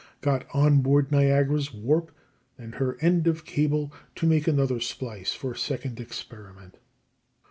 got on board Niagara's warp and her end of cable to make another splice for second experiment.